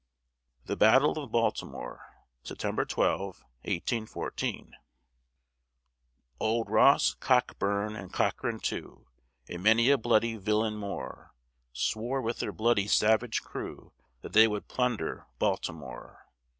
THE BATTLE OF BALTIMORE [September 12, 1814] Old Ross, Cockburn, and Cochrane too, And many a bloody villain more, Swore with their bloody savage crew, That they would plunder Baltimore.